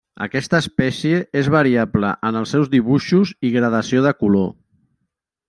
Aquesta espècie és variable en els seus dibuixos i gradació de color.